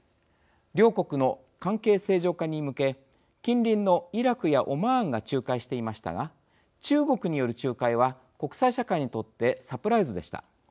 両国の関係正常化に向け近隣のイラクやオマーンが仲介していましたが中国による仲介は国際社会にとってサプライズでした。